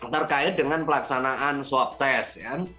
terkait dengan pelaksanaan swab test